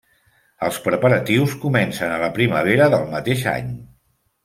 Els preparatius comencen a la primavera del mateix any.